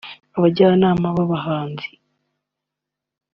abajyanama b’abahanzi